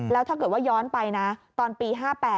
แล้วถ้าเกิดว่าย้อนไปนะตอนปี๕๘